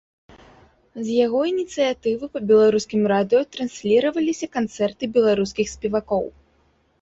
З яго ініцыятывы па беларускім радыё трансліраваліся канцэрты беларускіх спевакоў.